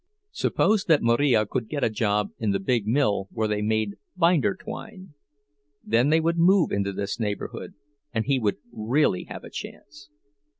Suppose that Marija could get a job in the big mill where they made binder twine—then they would move into this neighborhood, and he would really have a chance.